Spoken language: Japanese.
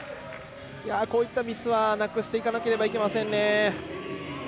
こういったミスはなくしていかなければなりませんね。